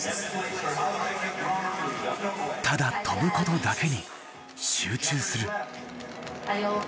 ただ飛ぶことだけに集中する。